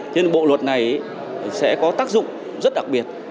thế nên bộ luật này sẽ có tác dụng rất đặc biệt